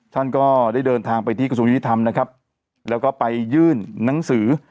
ท่านก็ได้เดินทางไปที่กระทรวงยุติธรรมนะครับแล้วก็ไปยื่นหนังสือ